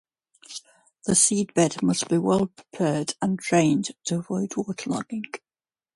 The seedbed must be well prepared and drained to avoid waterlogging.